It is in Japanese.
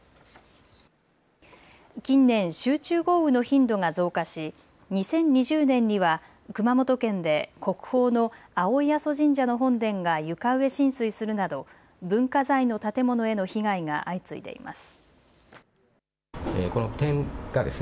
近年、集中豪雨の頻度が増加し２０２０年には熊本県で国宝の青井阿蘇神社の本殿が床上浸水するなど文化財の建物への被害が相次いでいます。